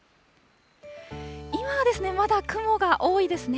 今はまだ雲が多いですね。